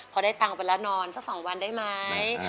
พอได้ตังค์ไปแล้วนอนสัก๒วันได้ไหม